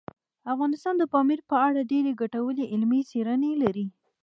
افغانستان د پامیر په اړه ډېرې ګټورې علمي څېړنې لري.